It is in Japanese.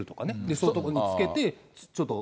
そういうとこにつけて、ちょっと。